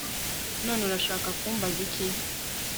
none urashaka kumbaza iki!